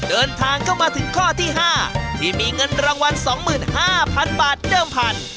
เดินทางเข้ามาถึงข้อที่๕ที่มีเงินรางวัล๒๕๐๐๐บาทเดิมพัน